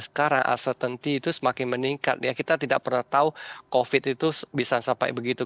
sekarang acehtainty itu semakin meningkat ya kita tidak pernah tahu covid itu bisa sampai begitu